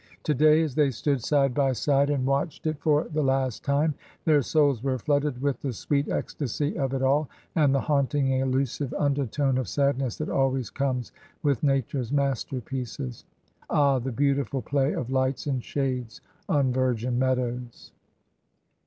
To day, as they stood side by side and watched it for the last time, their souls were flooded with the sweet ecstasy of it all, and the haunting, elusive undertone of sadness that always comes with Nature's masterpieces. Ah, the beautiful play of lights and shades on virgin meadows